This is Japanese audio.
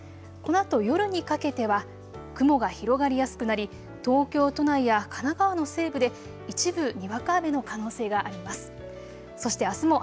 このあと夜にかけては雲が広がりやすくなり東京都内や神奈川の西部で一部にわか雨の可能性があります。